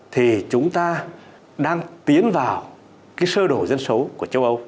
thì chúng ta đang tiến vào cái sơ đổ dân số của châu âu